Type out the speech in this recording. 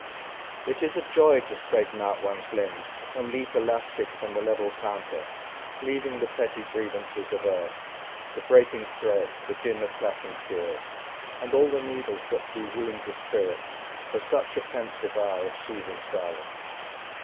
It is a joy to straighten out one's limbs, And leap elastic from the level counter, Leaving the petty grievances of earth, The breaking thread, the din of clashing shears, And all the needles that do wound the spirit, For such a pensive hour of soothing silence.